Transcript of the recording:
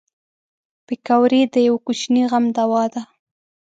پکورې د یوه کوچني غم دوا ده